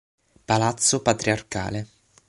Palazzo Patriarcale